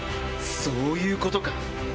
そういうことか。